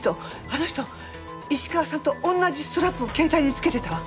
あの人石川さんと同じストラップを携帯に付けてたわ。